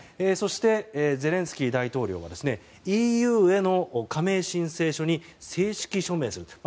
そして、ゼレンスキー大統領はＥＵへの加盟申請書に正式署名する。